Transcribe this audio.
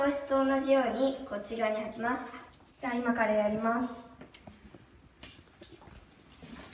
じゃあ今からやります。